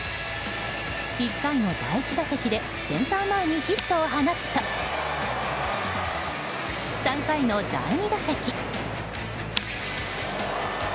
１回の第１打席でセンター前にヒットを放つと３回の第２打席。